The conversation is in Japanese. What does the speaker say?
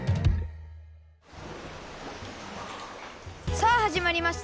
さあはじまりました！